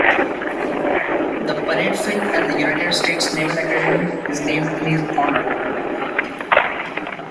The parade field at the United States Naval Academy is named in his honor.